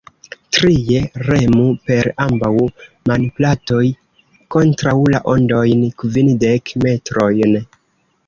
Trie: remu per ambaŭ manplatoj kontraŭ la ondojn, kvindek metrojn.